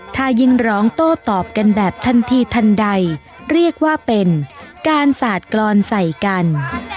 ถ้ายิ่งร้องโต้ตอบกันแบบทันทีทันใดเรียกว่าเป็นการสาดกรอนใส่กัน